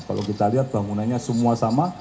kalau kita lihat bangunannya semua sama